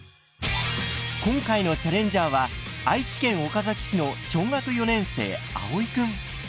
今回のチャレンジャーは愛知県岡崎市の小学４年生あおいくん。